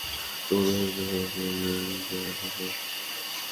তোমার হোস্টেলের সবাইকে এই ড্রয়িংটা দেখাও।